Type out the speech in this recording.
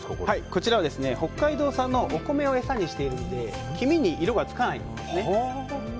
こちらは北海道産のお米を餌にしているので黄身に色がつかないんですね。